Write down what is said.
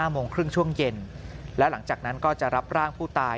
โมงครึ่งช่วงเย็นและหลังจากนั้นก็จะรับร่างผู้ตาย